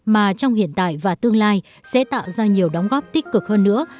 mà trong hiện tại và tương lai sẽ tạo ra nhiều đóng góp tích cực hơn nữa